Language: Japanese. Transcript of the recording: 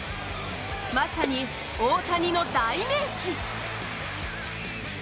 まさに大谷の代名詞。